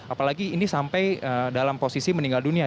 apalagi ini sampai dalam posisi meninggal dunia